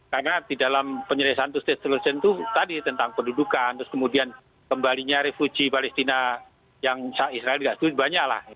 karena di dalam penyelesaian two state solution itu tadi tentang pendudukan terus kemudian kembalinya refugi palestina yang israel itu banyak lah